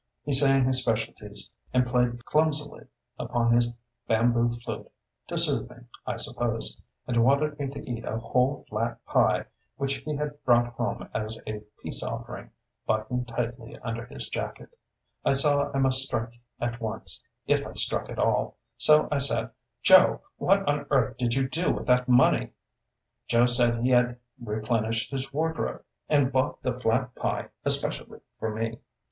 He sang his specialities, and played clumsily upon his bamboo flute, to soothe me, I suppose, and wanted me to eat a whole flat pie which he had brought home as a peace offering, buttoned tightly under his jacket. I saw I must strike at once, if I struck at all; so I said, "Joe, what on earth did you do with that money?" Joe said he had replenished his wardrobe, and bought the flat pie especially for me.